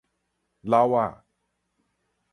佬仔